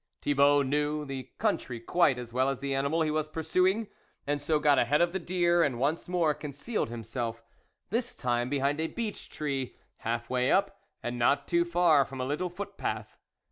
Thibault knew the country quite as well as the animal he was pursuing, and so got ahead of the deer and once more concealed himself, this time behind a beech tree, half way up, and not too far from a little footpath.